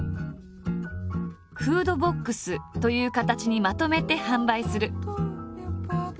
フードボックスという形にまとめて販売する。